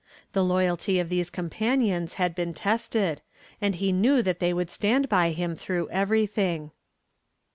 The loyalty of these companions had been tested, and he knew that they would stand by him through everything.